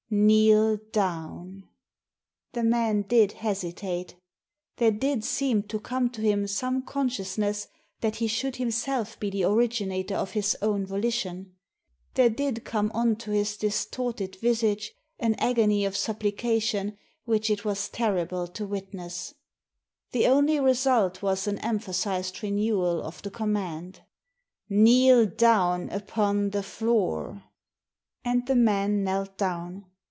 "Kneel down." The man did hesitate. There did seem to come to him some consciousness that he should himself be the originator of his own volition. There did come on to his distorted visage an agony of suppli cation which it was terrible to witness. The only result was an emphasised renewal of the command. Kneel down upon the floor." And the man knelt down.